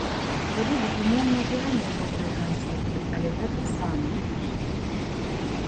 Былі, безумоўна, і раней добрыя канцэрты, але гэты самы лепшы.